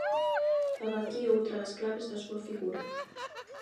Daba aquí outra das claves da súa figura.